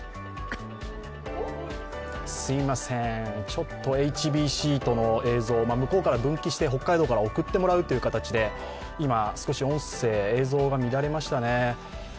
ちょっとＨＢＣとの映像、向こうから分岐して北海道から送ってもらう形で今少し、音声、映像が乱れましたね。